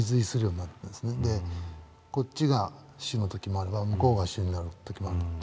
こっちが主の時もあれば向こうが主になる時もあって。